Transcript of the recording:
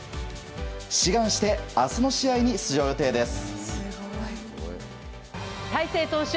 志願して明日の試合に出場予定です。